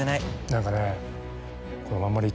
何かね。